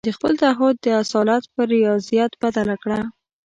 د خپل تعهد د اصالت پر رياضت بدله کړه.